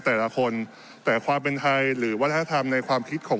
แต่ละคนแต่ความเป็นไทยหรือวัฒนธรรมในความคิดของ